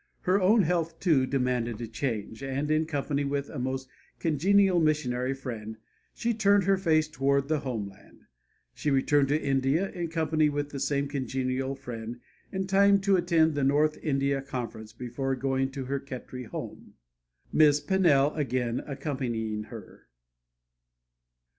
Her own health, too, demanded a change, and in company with a most congenial missionary friend she turned her face toward the homeland. She returned to India in company with the same congenial friend, in time to attend the North India Conference before going to her Khetri home, Miss Pannell again accompanying her.